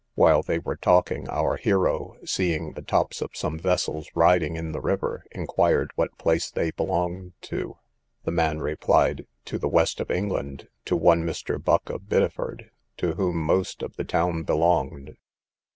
While they were talking, our hero seeing the tops of some vessels riding in the river, inquired what place they belonged to. The man replied, To the west of England, to one Mr. Buck of Biddeford, to whom most of the town belonged.